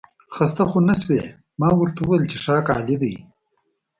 خسته خو نه شوې؟ ما ورته وویل څښاک عالي دی.